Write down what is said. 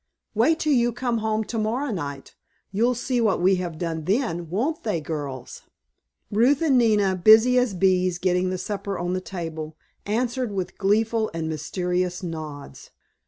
Wait till you come home to morrow night, you'll see what we have done then, won't they, girls?" Ruth and Nina, busy as bees getting the supper on the table, answered with gleeful and mysterious nods.